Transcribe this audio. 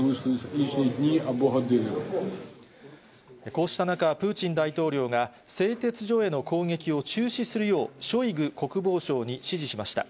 こうした中、プーチン大統領が製鉄所への攻撃を中止するよう、ショイグ国防相に指示しました。